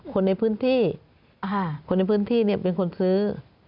คนในพื้นที่คนในพื้นที่เป็นคนซื้อ